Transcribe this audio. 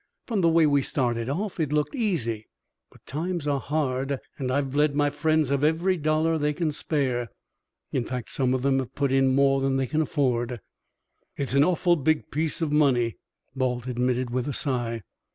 From the way we started off it looked easy, but times are hard and I've bled my friends of every dollar they can spare. In fact, some of them have put in more than they can afford." "It's an awful big piece of money," Balt admitted, with a sigh.